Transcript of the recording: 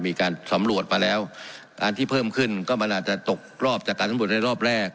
มีการสำรวจมาแล้วการที่เพิ่มขึ้นก็มันอาจจะตกรอบจากการสำรวจในรอบแรก